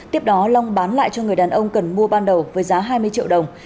tiếp đó long bán lại cho người đàn ông cần mua ban đầu với giá hai mươi triệu đồng